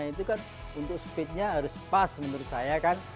itu kan untuk speednya harus pas menurut saya kan